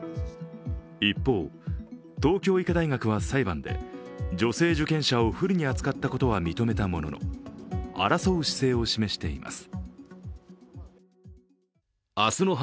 一方、東京医科大学は裁判で女性受験者を不利に扱ったことは認めたものの、争う姿勢を示しています。